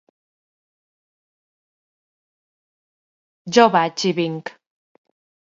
Jo vaig i vinc.